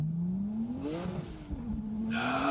زده کوونکي څنګه د ویډیو کنفرانس له لاري زده کړه کوي؟